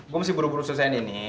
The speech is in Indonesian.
gue mesti buru buru selesaikan ini